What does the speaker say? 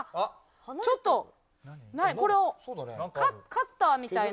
ちょっとこのカッターみたいな。